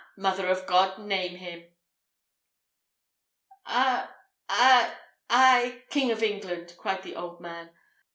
Mother of God! name him!" "I I I King of England!" cried the old man.